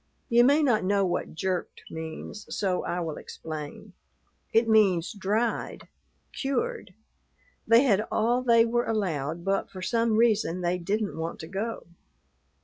You may not know what jerked means, so I will explain: it means dried, cured. They had all they were allowed, but for some reason they didn't want to go.